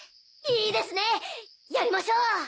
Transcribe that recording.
いいですねやりましょう！